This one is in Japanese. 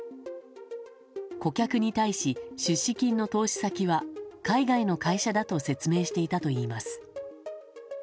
顧客に対し出資金の投資先は海外の会社だと説明していたといいます。